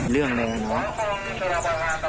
เรื่องอะไรนะ